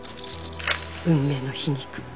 「運命の皮肉。